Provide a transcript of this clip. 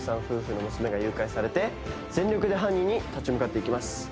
夫婦の娘が誘拐されて全力で犯人に立ち向かっていきます